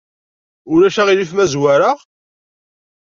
Ulac aɣilif ma zwareɣ?